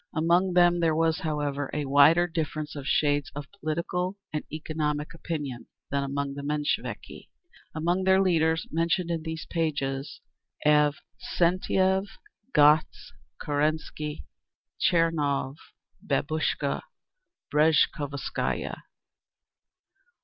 Among them there was, however, a wider difference of shades of political and economic opinion than among the Mensheviki. Among their leaders mentioned in these pages: Avksentiev, Gotz, Kerensky, Tchernov, "Babuschka" Breshkovskaya. a.